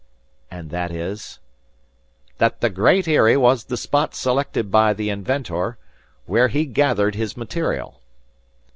"And that is?" "That the Great Eyrie was the spot selected by the inventor, where he gathered his material."